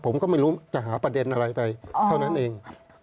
ผมก็ไม่รู้จะหาประเด็นอะไรไปเท่านั้นเอง